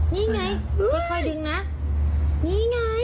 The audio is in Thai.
นี่อะไรนี่